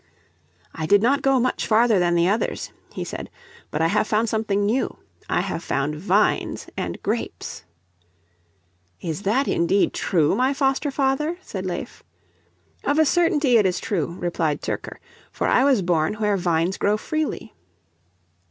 "I did not go much farther than the others," he said. "But I have found something new. I have found vines and grapes." "Is that indeed true, my foster father?" said Leif. "Of a certainty it is true," replied Tyrker. "For I was born where vines grow freely."